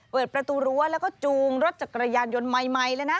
เปิดประตูรั้วแล้วก็จูงรถจักรยานยนต์ใหม่เลยนะ